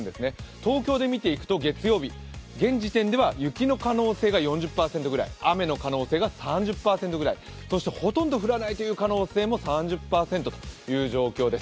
東京で見ていくと月曜日、現時点では雪の可能性が４０％くらい雨の可能性が３０％ぐらい、そしてほとんど降らないという可能性も３０％という状況です。